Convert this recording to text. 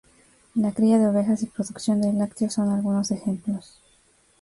La cría de ovejas y producción de lácteos son algunos ejemplos.